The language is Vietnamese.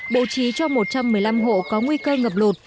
bố trí cho một trăm một mươi năm hộ có nguy cơ ngập lụt